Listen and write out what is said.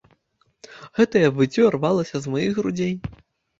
Гэтае выццё рвалася з маіх грудзей.